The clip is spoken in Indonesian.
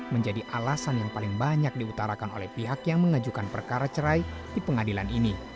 menjadi alasan yang paling banyak diutarakan oleh pihak yang mengajukan perkara cerai di pengadilan ini